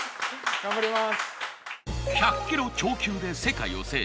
頑張ります！